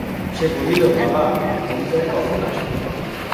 সে বলিল, বাবা, রেলগাড়ি কখন আসবে?